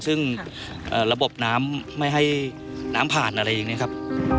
ซึ่งระบบน้ำไม่ให้น้ำผ่านอะไรอย่างนี้ครับ